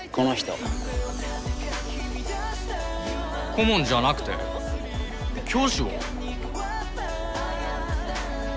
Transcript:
顧問じゃなくて教師を？